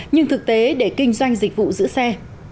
nhưng thực tế để kinh doanh dịch vụ giữ xe